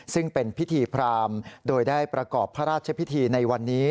ซึ่งเป็นพิธีพรามโดยได้ประกอบพระราชพิธีในวันนี้